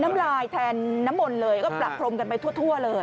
น้ำลายแทนน้ำมนต์เลยก็ประพรมกันไปทั่วเลย